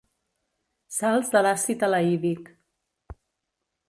Sals de l'àcid elaídic.